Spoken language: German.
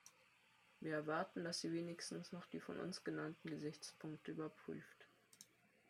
Wir erwarten, dass sie wenigstens noch die von uns genannten Gesichtspunkte überprüft.